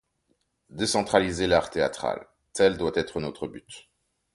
Décentraliser l'art théâtral, tel doit être notre but.